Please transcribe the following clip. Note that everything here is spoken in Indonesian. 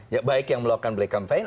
ya baik yang melakukan black campaign